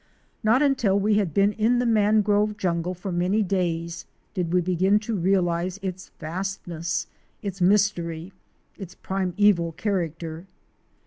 Not until we had been in the mangrove jungle for many days did we begin to realize its vastness, its mystery, its primeval character.